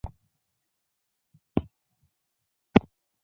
还有一个虚构的情节是玛丽比红衣主教沃尔西去世的要早。